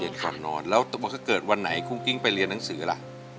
เช้ากลางวันเย็นก่อนนอนแล้วถ้าเกิดวันไหนคุ้งกิ้งไปเรียนหนังสือล่ะ